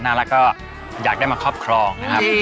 น่ารักก็อยากได้มาครอบครองนะครับ